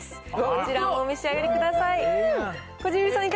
こちらもお召し上がりください。